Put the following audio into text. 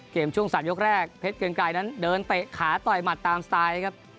ช่วง๓ยกแรกเพชรเกรงไกรนั้นเดินเตะขาต่อยหมัดตามสไตล์ครับ